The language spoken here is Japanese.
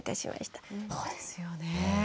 そうですよねえ。